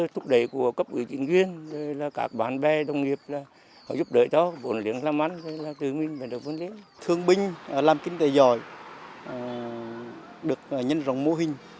thương binh làm kinh tế giỏi được nhân dòng mô hình